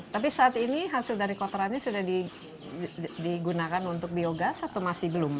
tapi saat ini hasil dari kotorannya sudah digunakan untuk biogas atau masih belum